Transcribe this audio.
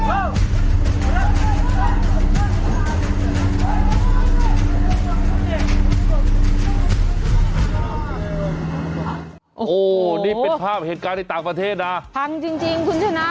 โอ้โหนี่เป็นภาพเหตุการณ์ในต่างประเทศนะพังจริงคุณชนะ